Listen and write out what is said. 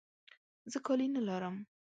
زه کالي نه لرم.